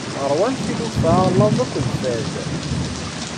Ṛwan tilufa laẓ akked fad.